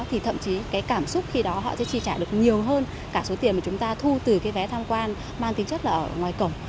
thì thậm chí cái cảm xúc khi đó họ sẽ chi trả được nhiều hơn cả số tiền mà chúng ta thu từ cái vé tham quan mang tính chất là ở ngoài cổng